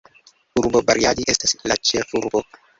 Urbo Bariadi estas la ĉefurbo.